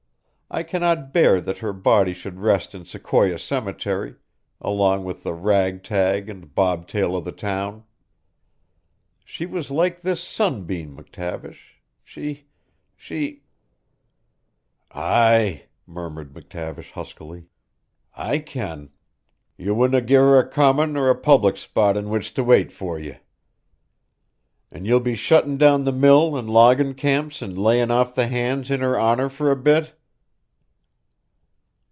I cannot bear that her body should rest in Sequoia cemetery, along with the rag tag and bobtail o' the town. She was like this sunbeam, McTavish. She she " "Aye," murmured McTavish huskily. "I ken. Ye wouldna gie her a common or a public spot in which to wait for ye. An' ye'll be shuttin' down the mill an' loggin' camps an' layin' off the hands in her honour for a bit?"